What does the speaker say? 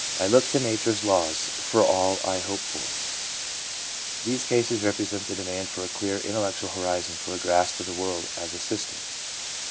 I look to nature's laws for all I hope for/ These cases represent the demand for a clear, intellectual horizon, for a grasp of the world as a system.